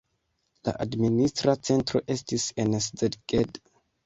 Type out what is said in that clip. La administra centro estis en Szeged.